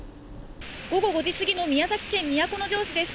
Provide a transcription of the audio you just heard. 午後５時過ぎの宮崎県都城市です。